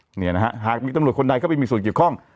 เนี่ยนะฮะหากมีตำรวจคนใดเข้าไปมีส่วนเกี่ยวข้อง